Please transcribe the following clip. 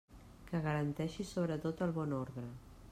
Que garanteixi sobretot el bon ordre.